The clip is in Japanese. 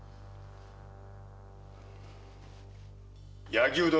柳生殿！